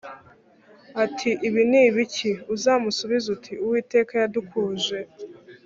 ati ibi ni ibiki uzamusubize uti uwiteka yadukuje